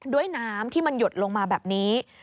ด้วยน้ำที่มันหยดลงมาแบบนี้